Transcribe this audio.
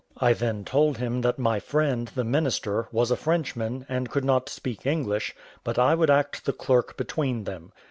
I then told him that my friend, the minister, was a Frenchman, and could not speak English, but I would act the clerk between them.